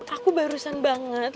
aku barusan banget